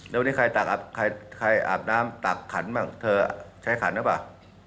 แล้ววันนี้ใครอาบน้ำตากขันบ้างเธอใช้ขันหรือเปล่า